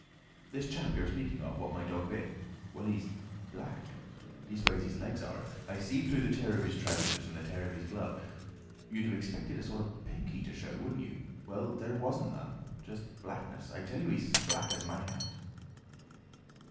"This chap you're speaking of, what my dog bit. Well—he's black. Leastways, his legs are. I seed through the tear of his trousers and the tear of his glove. You'd have expected a sort of pinky to show, wouldn't you? Well—there wasn't none. Just blackness. I tell you, he's as black as my hat."